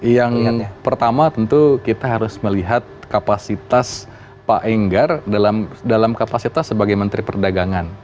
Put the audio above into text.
yang pertama tentu kita harus melihat kapasitas pak enggar dalam kapasitas sebagai menteri perdagangan